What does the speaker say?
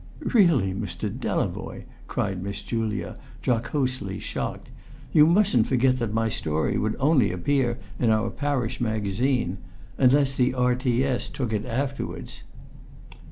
"Really, Mr. Delavoye!" cried Miss Julia, jocosely shocked. "You mustn't forget that my story would only appear in our Parish Magazine unless the R.T.S. took it afterwards."